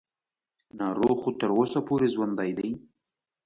ناروغ خو تر اوسه پورې ژوندی دی.